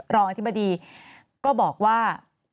รองอธิบดีก็บอกว่า